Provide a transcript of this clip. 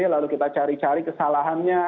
lalu kita cari cari kesalahannya